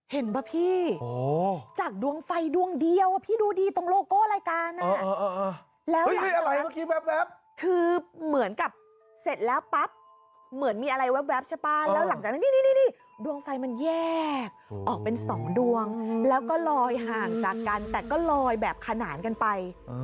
ป่ะพี่จากดวงไฟดวงเดียวพี่ดูดีตรงโลโก้รายการแล้วคือเหมือนกับเสร็จแล้วปั๊บเหมือนมีอะไรแว๊บใช่ป่ะแล้วหลังจากนั้นนี่ดวงไฟมันแยกออกเป็น๒ดวงแล้วก็ลอยห่างจากกันแต่ก็ลอยแบบขนานกันไป